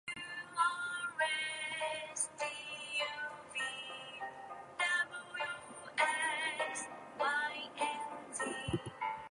This mosque became the center where Hamza organized a new missionary movement.